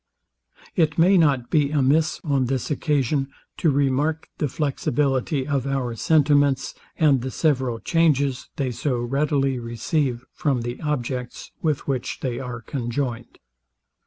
It may not be amiss, on this occasion, to remark the flexibility of our sentiments, and the several changes they so readily receive from the objects, with which they are conjoined.